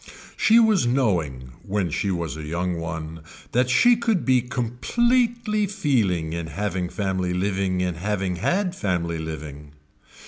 She was knowing, when she was a young one, that she could be completely feeling in having family living in having had family living.